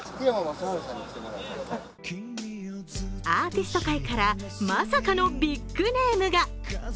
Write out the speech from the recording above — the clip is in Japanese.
アーティスト界からまさかのビッグネームが。